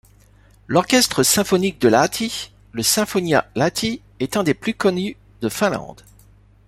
L'orchestre symphonique de Lahti, le Sinfonia Lahti, est un des plus connus de Finlande.